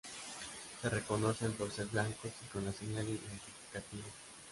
Se reconocen por ser blancos y con la señal identificativa.